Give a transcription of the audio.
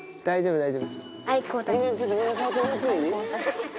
大丈夫？